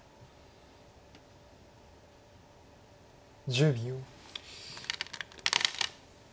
１０秒。